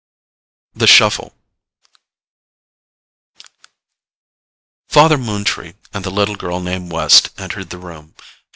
THE SHUFFLE Father Moontree and the little girl named West entered the room.